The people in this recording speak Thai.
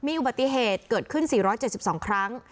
อุบัติเหตุเกิดขึ้น๔๗๒ครั้ง